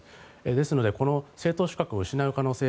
ですのでこの政党資格を失う可能性